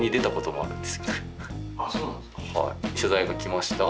取材が来ました。